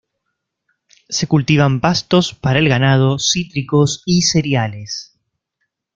Se cultivan pastos para el ganado, cítricos y cereales.